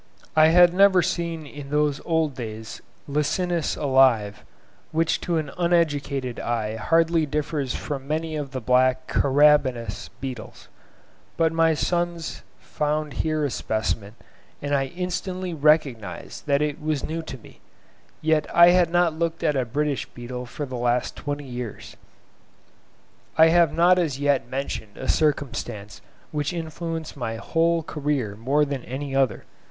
I had never seen in those old days Licinus alive, which to an uneducated eye hardly differs from many of the black Carabidous beetles; but my sons found here a specimen, and I instantly recognised that it was new to me; yet I had not looked at a British beetle for the last twenty years. I have not as yet mentioned a circumstance which influenced my whole career more than any other.